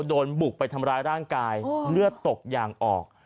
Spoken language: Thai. โดนบุกไปทำร้ายร่างกายเลือดตกยางออก